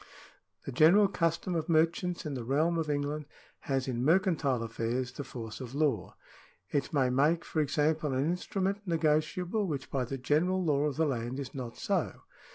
The general custom of merchants in the realm of England has in mercantile affairs the force of law. It may make, for example, an instrument negotiable, which by the general law of the land is not so.